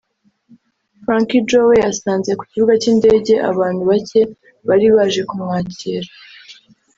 Frankie Joe we yasanze ku kibuga cy’indege abantu bake bari baje kumwakira